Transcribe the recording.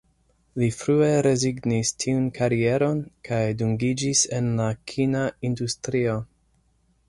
Li frue rezignis tiun karieron, kaj dungiĝis en la kina industrio.